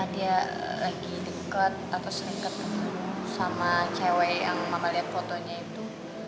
dia lagi dekat atau sering ketemu sama cewek yang mama lihat fotonya itu